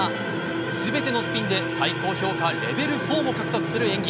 全てのスピンで最高評価レベル４も獲得する演技。